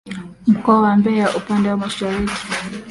mkoa wa Mbeya upande wa mashariki